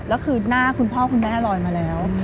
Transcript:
แล้วคือหน้าคุณพ่อคุณแม่ลอยมาแล้ว